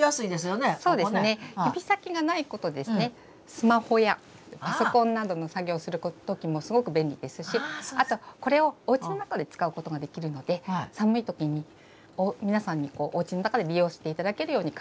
指先がないことでスマホやパソコンなどの作業をするときもすごく便利ですしあとこれをおうちの中で使うことができるので寒いときに皆さんにおうちの中で利用していただけるように考えました。